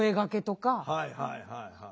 はいはいはいはい。